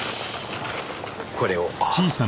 これを。